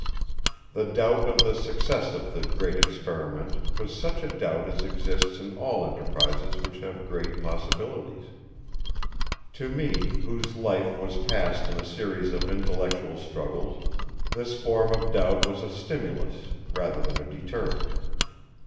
The doubt of the success of the Great Experiment was such a doubt as exists in all enterprises which have great possibilities. To me, whose life was passed in a series of intellectual struggles, this form of doubt was a stimulus, rather than deterrent.